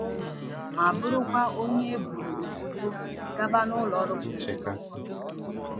ma bụrụkwa onye e buuru ozigbo gaba n'ụlọọrụ 'Princeton Hospital